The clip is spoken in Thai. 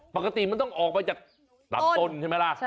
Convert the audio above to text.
ปกติมันต้องออกมาจากลำต้นใช่ไหมล่ะ